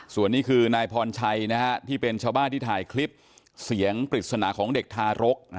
ส่วนนี้คือนายพรชัยที่เป็นชาวบ้านที่ถ่ายคลิปเสียงปริศนาของเด็กทารก